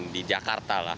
di jakarta lah